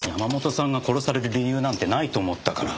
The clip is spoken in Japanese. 山本さんが殺される理由なんてないと思ったから。